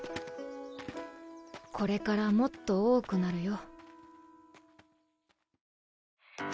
これからもっと多くなるよ。